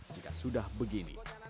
jika sudah begini